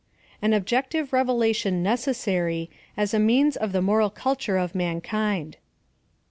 AN OBJECTIVE REVELATION NECESSARY, AS A MEANS OF THE MORAL CULTURE OF MANKIND.